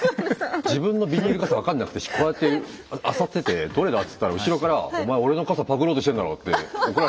自分のビニール傘分かんなくてこうやってあさってて「どれだ？」っつったら後ろから「お前俺の傘パクろうとしてんだろ」って怒られた経験があって。